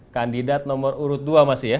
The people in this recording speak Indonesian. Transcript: kandidat nomor urut dua masih ya